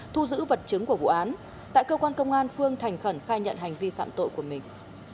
thu giữ vật chứng của vụ án tại cơ quan công an phương thành khẩn khai nhận hành vi phạm tội của mình